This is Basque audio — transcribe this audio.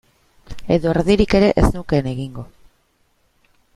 Edo erdirik ere ez nukeen egingo.